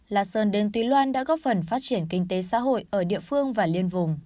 lạc sơn đến túy loan đã góp phần phát triển kinh tế xã hội ở địa phương và liên vùng